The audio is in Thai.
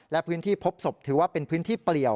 และพื้นที่พบศพถือว่าเป็นพื้นที่เปลี่ยว